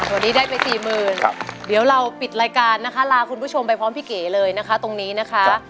วันนี้ได้ไปสี่หมื่นเดี๋ยวเราปิดรายการนะคะลาคุณผู้ชมไปพร้อมพี่เก๋เลยนะคะตรงนี้นะคะ